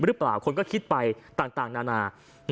หรือเปล่าคนก็คิดไปต่างนานา